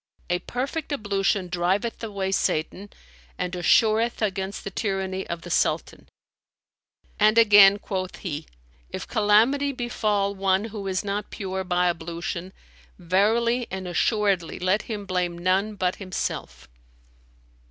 'A perfect ablution driveth away Satan and assureth against the tyranny of the Sultan'; and again quoth he, 'If calamity befal one who is not pure by ablution; verily and assuredly let him blame none but himself.'"